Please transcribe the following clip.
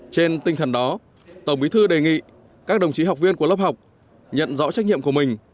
trên tinh thần đó tổng bí thư đề nghị các đồng chí học viên của lớp học nhận rõ trách nhiệm của mình